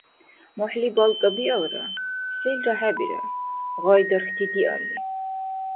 МухӀли балкӀа биалра, селра хӀебирар, гъай дархьти диалли.